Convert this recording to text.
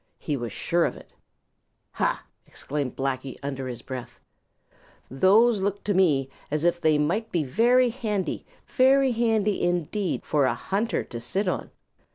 He was sure of it. "Ha!" exclaimed Blacky under his breath. "Those look to me as if they might be very handy, very handy indeed, for a hunter to sit on.